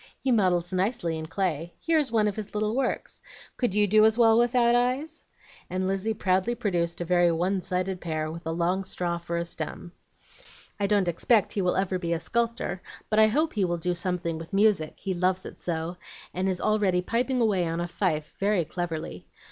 He models nicely in clay. Here is one of his little works. Could you do as well without eyes?" and Lizzie proudly produced a very one sided pear with a long straw for a stem. "I don't expect he will ever be a sculptor, but I hope he will do something with music he loves it so, and is already piping away on a fife very cleverly.